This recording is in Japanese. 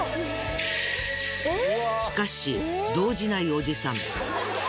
しかし動じないおじさん。